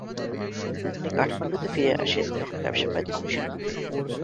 তিনি কাঠমান্ডুতে ফিরে আসেন, যখন ব্যবসা প্রায় ধ্বংসের মুখে।